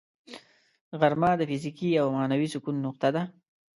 غرمه د فزیکي او معنوي سکون نقطه ده